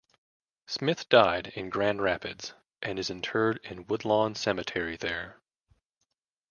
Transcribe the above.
Smith died in Grand Rapids and is interred in Woodlawn Cemetery there.